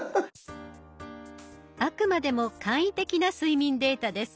あくまでも簡易的な睡眠データです。